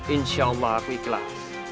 insya allah aku ikhlas